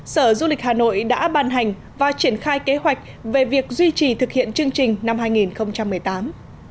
sở du lịch hà nội đã ban hành và triển khai kế hoạch về việc duy trì thực hiện chương trình năm hai nghìn một mươi tám